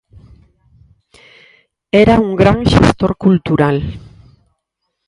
Era un gran xestor cultural.